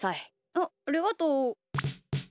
あっありがとう。